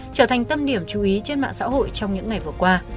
trở thành tâm điểm chú ý trên mạng xã hội trong những ngày vừa qua